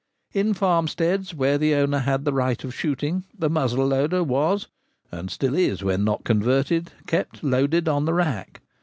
In farmsteads where the owner had the right of shooting the muzzle loader was — and still is, when not converted — kept loaded on the rack.